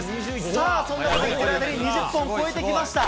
さあ、そんな中で２０本超えてきました。